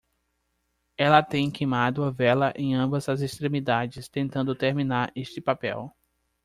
Ela tem queimado a vela em ambas as extremidades tentando terminar este papel.